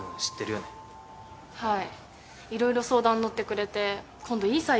はい。